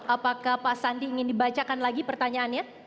apakah pak sandi ingin dibacakan lagi pertanyaannya